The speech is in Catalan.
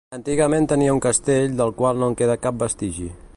Antigament tenia un castell del qual no en queda cap vestigi.